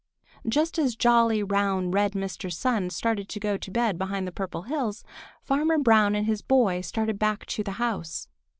Just as jolly, round, red Mr. Sun started to go to bed behind the Purple Hills, Farmer Brown and his boy started back to the house.